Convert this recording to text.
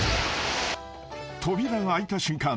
［扉が開いた瞬間